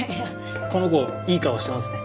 この子いい顔してますね。